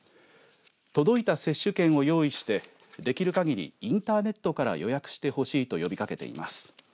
届いた接種券を用意してできる限りインターネットから予約してほしいと呼びかけています。